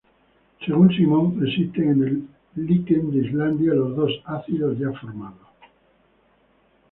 Según Simon, existen en el liquen de Islandia los dos ácidos ya formados.